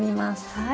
はい。